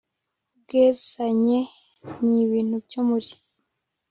ubwezanye n ibintu byo muri